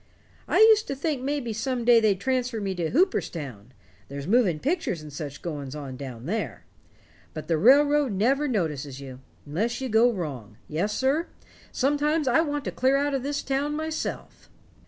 I used to think maybe some day they'd transfer me down to Hooperstown there's moving pictures and such goings on down there. But the railroad never notices you unless you go wrong. Yes, sir, sometimes I want to clear out of this town myself."